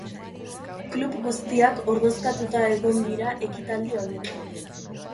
Klub guztiak ordezkatuta egon dira ekitaldi honetan.